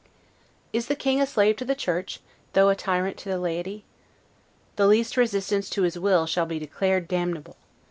Is the King a slave to the Church, though a tyrant to the laity? The least resistance to his will shall be declared damnable.